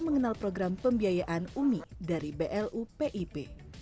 mengenal program pembiayaan umi dari blu pip